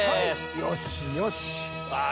よしよし！